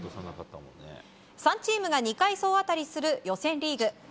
３チームが２回総当たりする予選リーグ。